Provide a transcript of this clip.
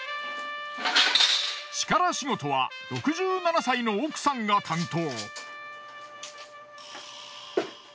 力仕事は６７歳の奥さんが担当。